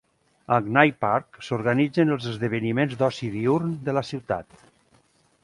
A Knight Park s"organitzen els esdeveniments d"oci diürn de la ciutat.